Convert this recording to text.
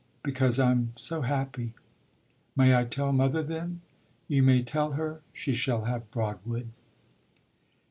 Because I'm so happy." "May I tell mother then?" "You may tell her she shall have Broadwood."